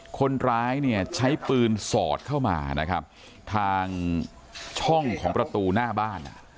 คนร้ายใช้ปืนสอดเข้ามาทางช่องของประตูหน้าบ้าน